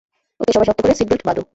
ওকে, সবাই শক্ত করে সিটবেল্ট বাঁধো।